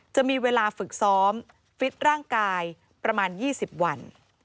จะมีเวลาฝึกซ้อมฟิตร่างกายประมาณ๒๐วัน